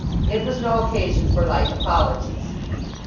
It was no occasion for light apologies.